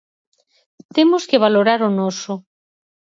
Temos que valorar o noso.